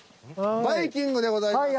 バイキングでございます。